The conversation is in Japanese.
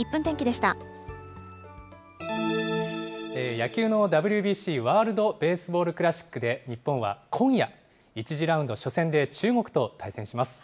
野球のＷＢＣ・ワールドベースボールクラシックで、日本は今夜、１次ラウンド初戦で中国と対戦します。